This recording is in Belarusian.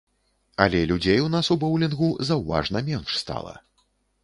Але людзей у нас у боулінгу заўважна менш стала.